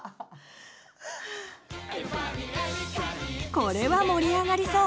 これは盛り上がりそう！